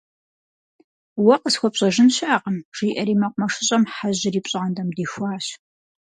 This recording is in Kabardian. Уэ къысхуэпщӏэжын щыӏэкъым, - жиӏэри Мэкъумэшыщӏэм Хьэжьыр и пщӏантӏэм дихуащ.